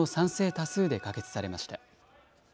多数で可決されました。